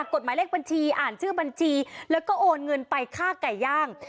กฎหมายเลขบัญชีอ่านชื่อบัญชีแล้วก็โอนเงินไปค่าไก่ย่าง